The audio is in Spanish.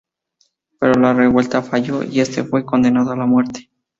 Pero la revuelta fallo y este fue condenado a la muerte.